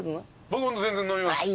僕も全然飲みます。